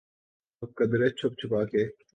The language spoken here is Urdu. تو قدرے چھپ چھپا کے۔